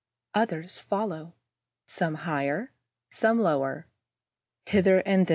Others follow, some higher, some lower, hither and thither.